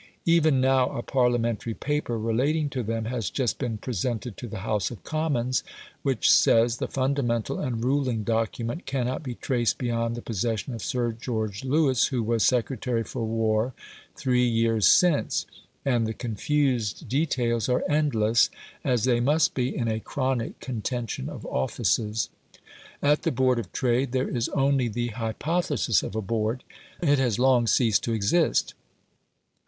Even now a Parliamentary paper relating to them has just been presented to the House of Commons, which says the fundamental and ruling document cannot be traced beyond the possession of Sir George Lewis, who was Secretary for War three years since; and the confused details are endless, as they must be in a chronic contention of offices. At the Board of Trade there is only the hypothesis of a Board; it has long ceased to exist.